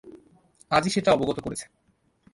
আজই সেটা অবগত করেছে।